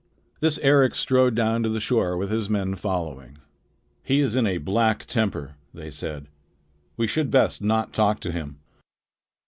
This Eric strode down to the shore with his men following. "He is in a black temper," they said. "We should best not talk to him."